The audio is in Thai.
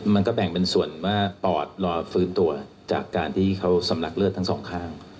มันก็แบ่งเป็นส่วนว่าปอดรอฟื้นตัวจากการที่เขาสำลักเลือดทั้งสองข้าง